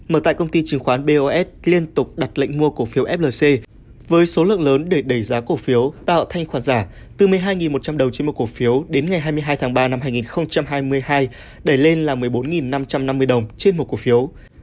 mở tại công ty chứng khoán bos liên tục đặt lệnh mua cổ phiếu flc với số lượng lớn để đẩy giá cổ phiếu tạo thanh khoản giả từ một mươi hai một trăm linh đồng trên một cổ phiếu đến ngày hai mươi hai tháng ba năm hai nghìn hai mươi hai đẩy lên là một mươi bốn năm trăm năm mươi đồng trên một cổ phiếu